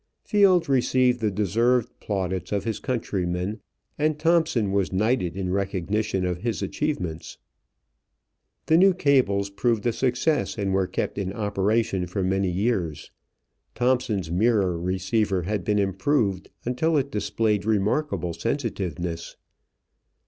Field received the deserved plaudits of his countrymen and Thomson was knighted in recognition of his achievements. [Illustration: THE "GREAT EASTERN" LAYING THE ATLANTIC CABLE. 1866] The new cables proved a success and were kept in operation for many years. Thomson's mirror receiver had been improved until it displayed remarkable sensitiveness.